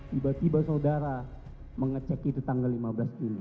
tiba tiba saudara mengecek itu tanggal lima belas juni